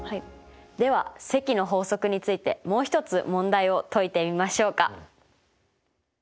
では積の法則についてもう一つ問題を解いてみましょうか。